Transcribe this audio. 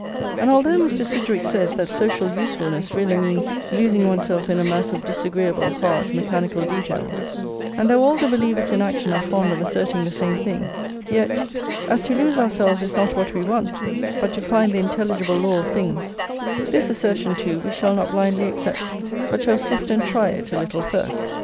And although Mr. Sidgwick says that social usefulness really means "losing oneself in a mass of disagreeable, hard, mechanical details," and though all the believers in action are fond of asserting the same thing, yet, as to lose ourselves is not what we want, but to find the intelligible law of things, this assertion too we shall not blindly accept, but shall sift and try it a little first.